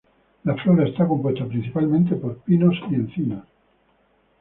La flora está compuesta principalmente por pinos y encinos.